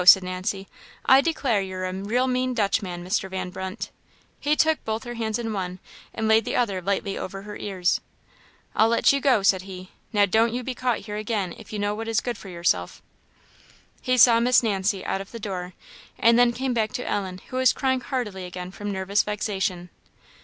said Nancy; "I declare you're a real mean Dutchman, Mr. Van Brunt." He took both her hands in one, and laid the other lightly over her ears. "I'll let you go," said he. "Now, don't you be caught here again, if you know what is good for yourself." He saw Miss Nancy out of the door, and then came back to Ellen, who was crying heartily again from nervous vexation.